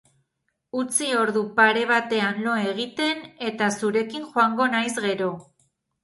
Utzi ordu pare batean lo egiten, eta zurekin joango naiz gero.